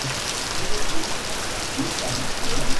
De ahí su nombre: "Butifarra!